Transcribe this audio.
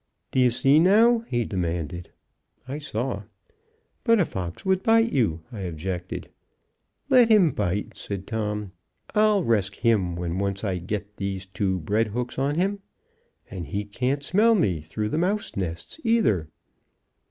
"D'ye see, now!" he demanded. I saw. "But a fox would bite you," I objected. "Let him bite," said Tom. "I'll resk him when once I get these two bread hooks on him. And he can't smell me through the mouse nests either."